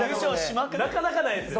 なかなかないですよ。